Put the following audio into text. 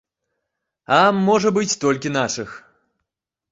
А, можа быць, толькі нашых.